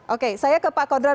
oke saya ke pak kodran